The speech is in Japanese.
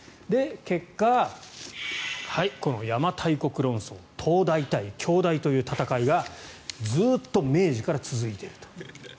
結果、この邪馬台国論争京大対東大という戦いがずっと明治から続いていると。